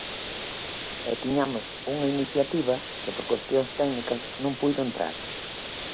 E tiñamos unha iniciativa que, por cuestións técnicas, non puido entrar.